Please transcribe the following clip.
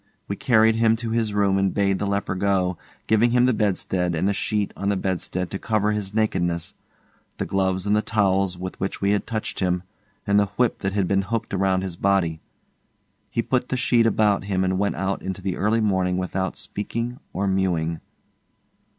We carried him to his room and bade the leper go, giving him the bedstead, and the sheet on the bedstead to cover his nakedness, the gloves and the towels with which we had touched him, and the whip that had been hooked round his body. He put the sheet about him and went out into the early morning without speaking or mewing.